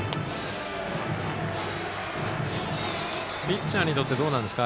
ピッチャーにとってどうなんですか？